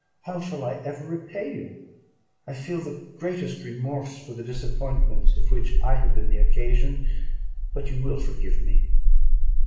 How shall I ever repay you? I feel the greatest remorse for the disappointment of which I have been the occasion; but you will forgive me."